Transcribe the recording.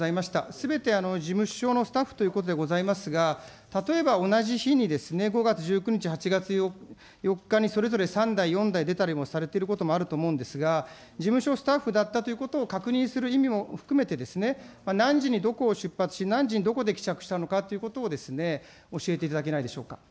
すべて事務所のスタッフということでございますが、例えば、同じ日にですね、５月１９日に、８月４日にそれぞれ３台、４台出たりもされていることもあると思うんですが、事務所スタッフだったということを確認する意味も含めて、何時にどこを出発し、何時にどこで帰着したのかということを教えていただけないでしょ